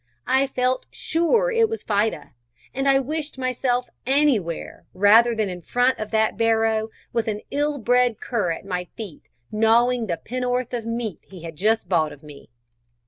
I felt sure that it was Fida, and I wished myself anywhere rather than in front of that barrow with an ill bred cur at my feet gnawing the penn'orth of meat he had just bought of me.